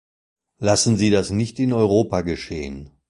Lassen Sie das nicht in Europa geschehen.